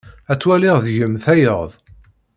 Ad twaliɣ deg-m tayeḍ.